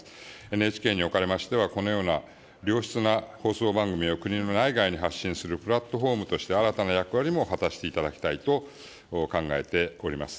ＮＨＫにおかれましては、このような良質な放送番組を国の内外に発信するプラットフォームとして、新たな役割も果たしていただきたいと考えております。